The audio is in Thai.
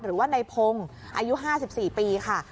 หรือว่านายพงศักดิ์อายุ๕๔ปีค่ะ